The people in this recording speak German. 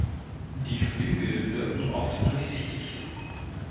Die Flügel wirken oft durchsichtig.